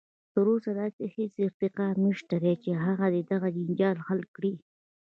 تر اوسه داسې هیڅ ارقام نشته دی چې هغه دې دغه جنجال حل کړي